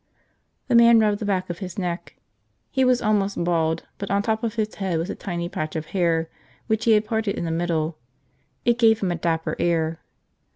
The man rubbed the back of his neck. He was almost bald but on top of his head was a tiny patch of hair which he had parted in the middle. It gave him a dapper air.